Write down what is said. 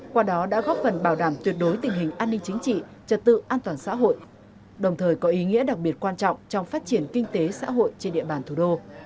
qua đó đã góp phần bảo đảm tuyệt đối tình hình an ninh chính trị trật tự an toàn xã hội đồng thời có ý nghĩa đặc biệt quan trọng trong phát triển kinh tế xã hội trên địa bàn thủ đô